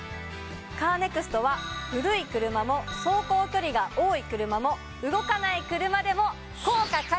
カーネクストは古い車も走行距離が多い車も動かない車でも。